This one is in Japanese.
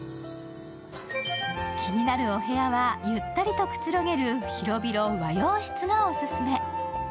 気になるお部屋はゆったりくつろげる広々和洋室がおすすめ。